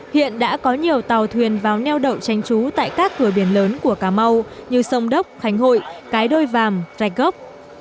hiện đã có nhiều tàu thuyền vào neo đậu tranh trú tại các cửa biển lớn của cà mau như sông đốc khánh hội cái đôi vàm rạch gốc